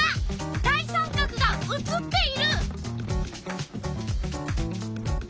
大三角が写っている！